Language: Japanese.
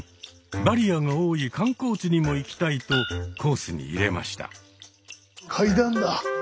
バリアが多い観光地にも行きたいとコースに入れました。